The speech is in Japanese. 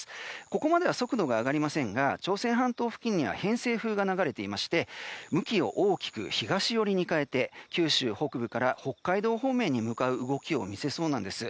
ここまでは速度が上がりませんが朝鮮半島付近には偏西風が流れており向きを大きく東寄りに変えて九州北部から北海道方面に向かう動きを見せそうなんです。